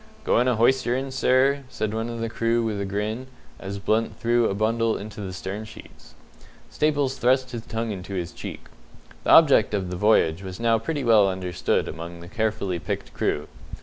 "Goin' a hoysterin', sir?" said one of the crew, with a grin, as Blunt threw a bundle into the stern sheets. Staples thrust his tongue into his cheek. The object of the voyage was now pretty well understood among the carefully picked crew.